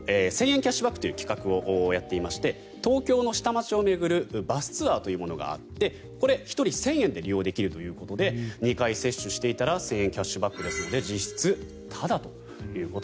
キャッシュバックという企画をやっていまして東京の下町を巡るバスツアーというものがあって１人１０００円で利用できるということで２回接種していたら１０００円